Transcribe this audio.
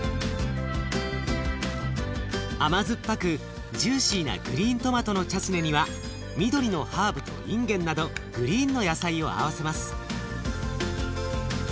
甘酸っぱくジューシーなグリーントマトのチャツネには緑のハーブといんげんなどグリーンの野菜を合わせます。